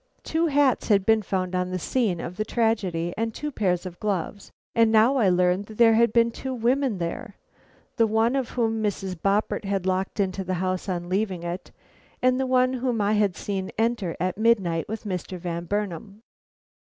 Two hats had been found on the scene of the tragedy, and two pairs of gloves, and now I had learned that there had been two women there, the one whom Mrs. Boppert had locked into the house on leaving it, and the one whom I had seen enter at midnight with Mr. Van Burnam.